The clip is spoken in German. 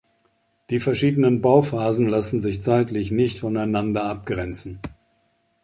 Die verschiedenen Bauphasen lassen sich zeitlich nicht voneinander abgrenzen.